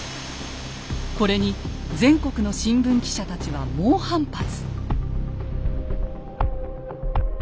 これに全国の新聞記者たちは猛反発。